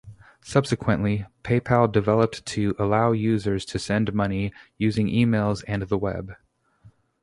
Subsequently, PayPal developed to allow users to send money using emails and the web.